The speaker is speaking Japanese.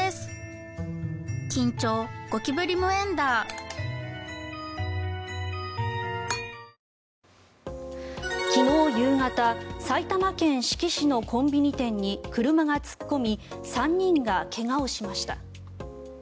脂肪に選べる「コッコアポ」昨日夕方埼玉県志木市のコンビニ店に車が突っ込み３人が怪我をしました。